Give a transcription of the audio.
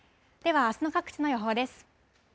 では、あすの各地の天気です。